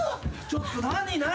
ちょっと何何何？